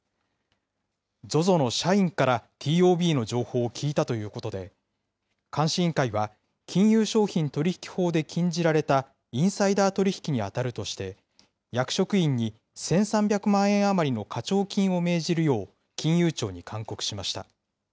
ＺＯＺＯの社員からＴＯＢの情報を聞いたということで、監視委員会は、金融商品取引法で禁じられたインサイダー取引に当たるとして、役職員に１３００万円余りの課徴金を命じるよう金融庁に勧告しました。